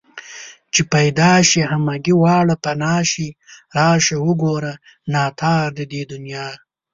چې پيدا شي همگي واړه پنا شي راشه وگوره ناتار د دې دنيا